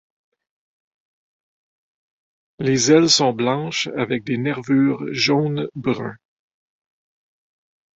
Les ailes sont blanches avec des nervures jaune-brun.